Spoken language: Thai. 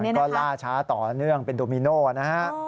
ก็ล่าช้าต่อเนื่องเป็นโดมิโน่นะฮะ